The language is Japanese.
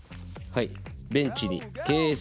はい。